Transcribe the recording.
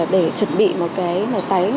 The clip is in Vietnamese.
để chuẩn bị một cái tái